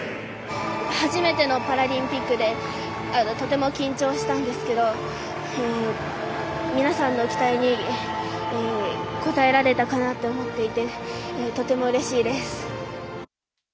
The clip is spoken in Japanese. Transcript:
初めてのパラリンピックでとても緊張したんですけど皆さんの期待に応えられたかなと思っていてとてもうれしいです。